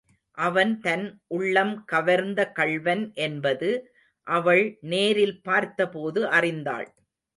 அவன் தன் உள்ளம் கவர்ந்த கள்வன் என்பது அவள் நேரில் பார்த்தபோது அறிந்தாள்.